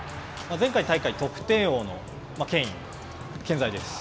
前回大会得点王のケイン、健在です。